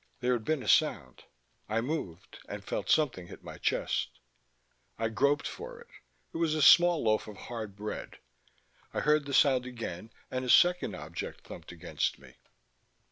There had been a sound. I moved, and felt something hit my chest. I groped for it; it was a small loaf of hard bread. I heard the sound again and a second object thumped against me.